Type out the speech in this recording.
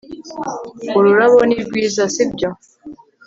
ururabo ni rwiza, sibyo